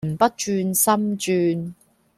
人不轉心轉